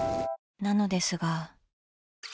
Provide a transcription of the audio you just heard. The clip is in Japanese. なのですが。